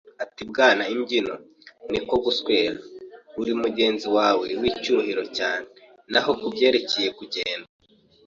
Ati: “Bwana Imbyino, "ni ko guswera," uri mugenzi wawe w'icyubahiro cyane. Naho kubyerekeye kugenda